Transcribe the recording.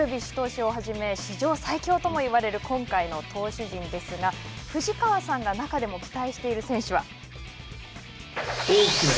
投手をはじめ史上最強とも言われる今回の投手陣ですが藤川さんが中でも期待している選手は？